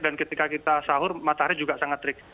dan ketika kita sahur matahari juga sangat terik